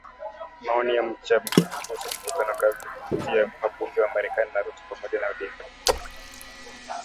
Maoni ya mchambuzi kuhusu mkutano kati ya wabunge wa Marekani na Ruto pamoja na Odinga